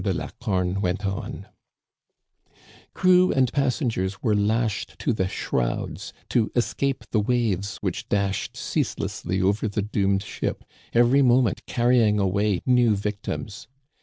de Lacome went on :Crew and passengers were lashed to the shrouds, to escape the waves which dashed ceaselessly over the doomed ship, every moment carrying away new victims.